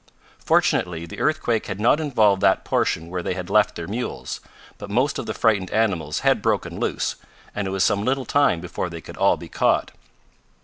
Fortunately the earthquake had not involved that portion where they had left their mules, but most of the frightened animals had broken loose, and it was some little time before they could all be caught.